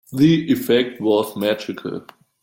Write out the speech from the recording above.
The effect was magical.